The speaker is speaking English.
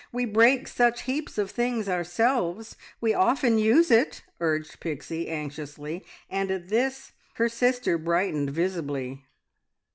We break such heaps of things ourselves. We often use it," urged Pixie anxiously; and at this her sister brightened visibly.